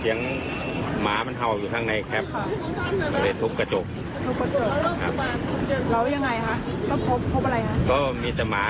ละยังไม่รู้ว่ามีคนติดอยู่หรือเปล่า